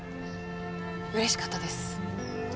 嬉しかったです。